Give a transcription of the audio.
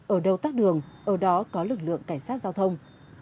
ở đâu tắt đường ở đó có lực lượng cảnh sát giao thông